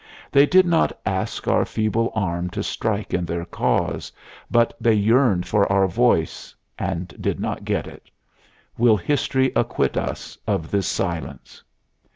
They did not ask our feeble arm to strike in their cause, but they yearned for our voice and did not get it. Will History acquit us of this silence?